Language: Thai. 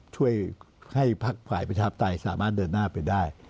ช่วยให้พักฝ่ายประชาปไตยสามารถเดินหน้าไปได้